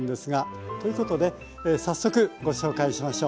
ということで早速ご紹介しましょう。